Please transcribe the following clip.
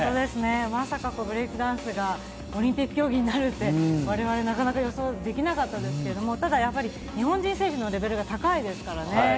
まさかブレイクダンスがオリンピック競技になるって我々なかなか予想できなかったですけど、日本人選手のレベルが高いですからね。